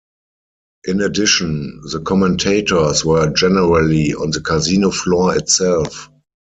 In addition, the commentators were generally on the casino floor itself.